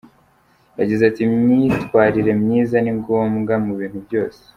Yagize ati “Imyitwarire myiza ni ngombwa mu bintu byose.